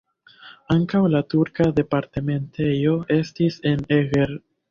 Ankaŭ la turka departementejo estis en Eger.